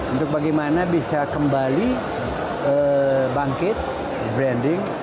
untuk bagaimana bisa kembali bangkit branding